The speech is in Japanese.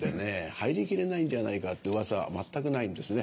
入りきれないんじゃないかってうわさ全くないんですね。